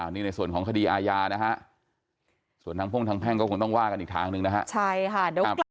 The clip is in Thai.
นี่ในส่วนของคดีอาญานะฮะส่วนทางพ่งทางแพ่งก็คงต้องว่ากันอีกทางหนึ่งนะฮะ